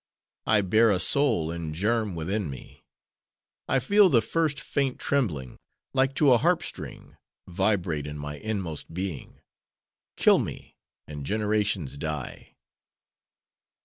—'I bear a soul in germ within me; I feel the first, faint trembling, like to a harp string, vibrate in my inmost being. Kill me, and generations die.